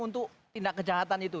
untuk tindak kejahatan itu